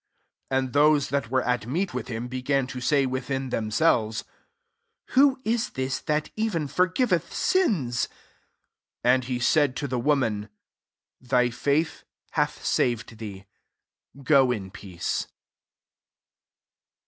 49 And those that were at meat with him began to say, within themselves, <* Who is this that even forgiveth sins ? 50 And he said to the woman, "Thy faith hath saved thee: go in peace.''